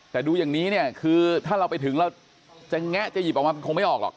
แต่ดูอย่างนี้เนี่ยคือถ้าเราไปถึงเราจะแงะจะหยิบออกมาคงไม่ออกหรอก